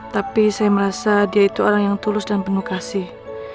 tapi saya merasa dia itu orang yang tulus dan penuh kasih